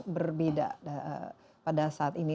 berbeda pada saat ini